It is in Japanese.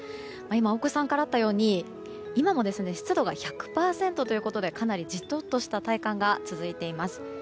今、大越さんからあったように今も湿度が１００％ということでかなりジトっとした体感が続いています。